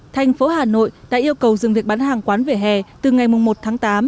thành phố hà nội đã yêu cầu dừng việc bán hàng quán về hè từ ngày một tháng tám